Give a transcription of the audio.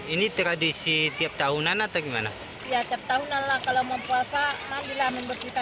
ini tradisi tiap tahunan atau gimana ya setahun allah kalau mempuasa